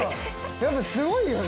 やっぱりすごいよね。